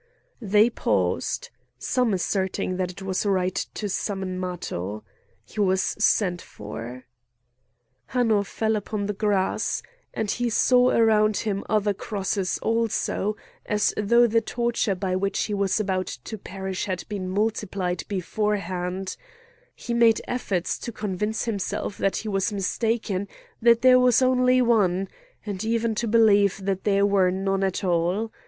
They paused, some asserting that it was right to summon Matho. He was sent for. Hanno fell upon the grass; and he saw around him other crosses also, as though the torture by which he was about to perish had been multiplied beforehand; he made efforts to convince himself that he was mistaken, that there was only one, and even to believe that there were none at all.